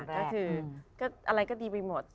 ก็คืออะไรก็ดีไปหมด